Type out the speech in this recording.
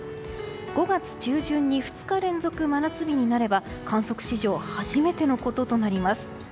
５月中旬に２日連続真夏日になれば観測史上初めてのこととなります。